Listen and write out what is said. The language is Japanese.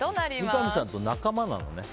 三上さんと仲間なのね。